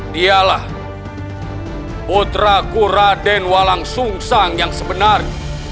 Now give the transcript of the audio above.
dialah putra kuraden walang sung sang yang sebenarnya